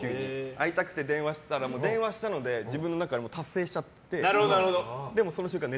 会いたくて電話したら電話したので自分の中で達成しちゃって。